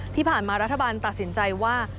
ที่ผ่านมารัฐบาลตัดสินใจว่า